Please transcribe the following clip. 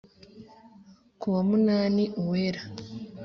kuwa munani uwera